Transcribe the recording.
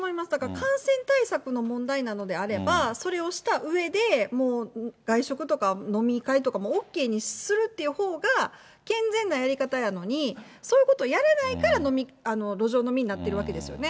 感染対策の問題なのであれば、それをしたうえで、もう外食とか飲み会とかもＯＫにするっていうほうが、健全なやり方やのに、そういうことをやらないから、路上飲みになってるわけですよね。